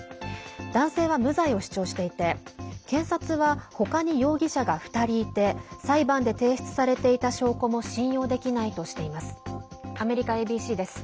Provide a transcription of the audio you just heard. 男性は無罪を主張していて検察は、他に容疑者が２人いて裁判で提出されていた証拠も信用できないとしています。